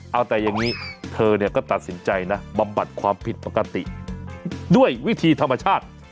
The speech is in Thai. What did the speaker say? เอาแต่อย่างนี้เธอเนี่ยก็ตัดสินใจนะบำบัดความผิดปกติด้วยวิธีธรรมชาติ